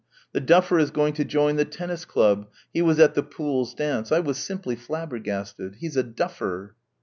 The duffer is going to join the tennis club he was at the Pooles' dance. I was simply flabbergasted. He's a duffer."